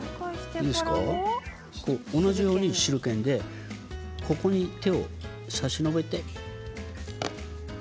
同じように手裏剣でぶりに手を差し伸べて。